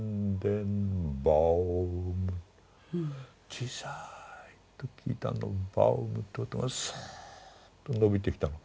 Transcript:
小さい時聞いたあのバウムって音がスーッと伸びてきたの。